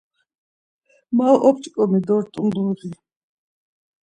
Ma op̌ç̌ǩomi dort̆un burği.